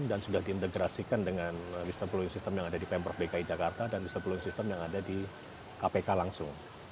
dan sudah diintegrasikan dengan whistleblowing system yang ada di pemprov dki jakarta dan whistleblowing system yang ada di kpk langsung